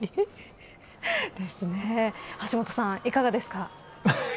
橋下さん、いかがですか。